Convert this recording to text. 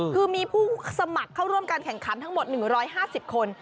คือมีผู้สมัครเข้าร่วมการแข่งขันทั้งหมด๑๕๐คน